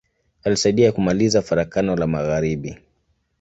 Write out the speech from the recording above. Alisaidia kumaliza Farakano la magharibi.